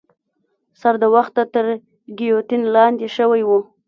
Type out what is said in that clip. سر د وخته تر ګیوتین لاندي شوی وو.